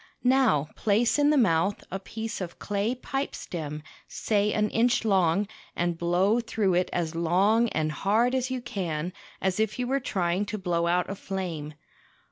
Now place in the mouth a piece of clay pipe stem, say an inch long, and blow through it as long and hard as you can, as if you were trying to blow out a flame.